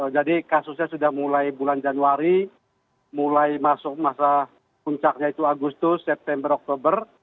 jadi kasusnya sudah mulai bulan januari mulai masuk masa puncaknya itu agustus september oktober